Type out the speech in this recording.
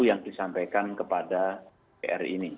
yang disampaikan kepada pr ini